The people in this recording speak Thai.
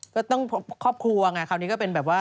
ครอบครัวไงคราวนี้ก็เป็นแบบว่า